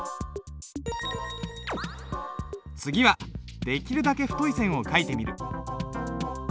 次はできるだけ太い線を書いてみる。